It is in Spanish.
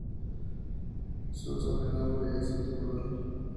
Su sobrenombre es El tiburón.